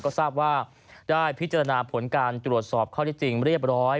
ก็ทราบว่าได้พิจารณาผลการตรวจสอบข้อที่จริงเรียบร้อย